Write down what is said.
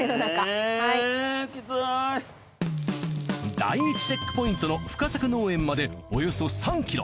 第１チェックポイントの深作農園までおよそ３ｋｍ。